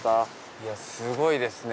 いや、すごいですね。